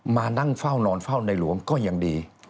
มานั่งเฝ้านอนเฝ้าในหลวงก็ยังดี